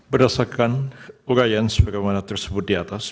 berdasarkan ugaan sebagaimana tersebut di atas